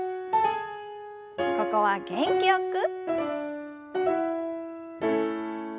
ここは元気よく。